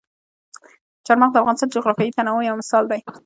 چار مغز د افغانستان د جغرافیوي تنوع یو مثال دی.